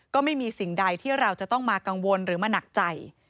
ก็ไม่มีสิ่งใดที่เราจะต้องมากังวลหรือมาหนักใจ